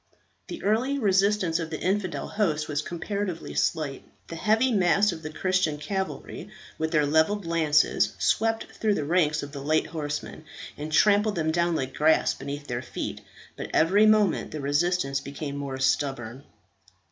The early resistance of the infidel host was comparatively slight. The heavy mass of the Christian cavalry, with their levelled lances, swept through the ranks of the light horsemen, and trampled them down like grass beneath their feet; but every moment the resistance became more stubborn.